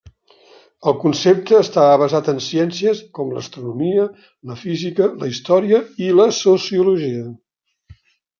El concepte estava basat en ciències com l'astronomia, la física, la història i la sociologia.